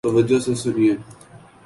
توجہ سے سنیئے